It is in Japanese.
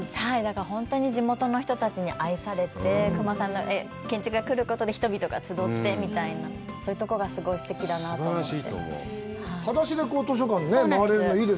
本当に地元の人たちに愛されて、隈さんの建築来ることで、人々が集ってみたいな、そういうところがすごいすてきだなと思って。